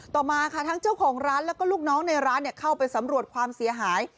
ต่อมาค่ะทั้งเจ้าของร้านแล้วก็ลูกน้องในร้านเข้าไปสำรวจความเสียหาย